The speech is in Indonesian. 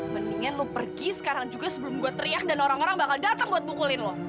mendingan lu pergi sekarang juga sebelum gue teriak dan orang orang bakal datang buat pukulin lo